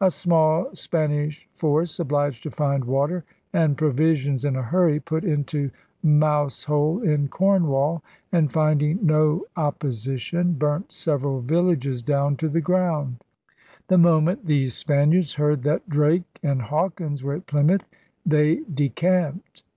A small Spanish force, obliged to find water and provisions in a hurry, put into Mousehole in Cornwall and, finding no op DRAKE'S END 225 position, burnt several villages down to the ground. The moment these Spaniards heard that Drake and Hawkins were at Plymouth they decamped.